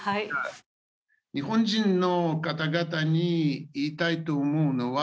日本人の方々に言いたいと思うのは